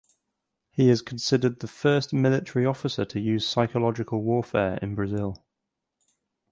He is considered the first military officer to use psychological warfare in Brazil.